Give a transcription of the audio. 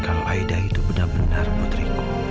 kalau aida itu benar benar putriku